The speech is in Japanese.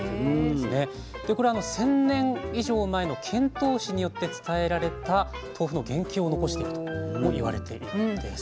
でこれ１，０００年以上前の遣唐使によって伝えられた豆腐の原型を残してるとも言われているんです。